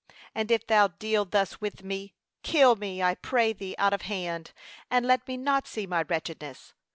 And if thou deal thus with me, kill me, I pray thee, out of hand, and let me not see my wretchedness.'